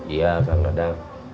iya kan radang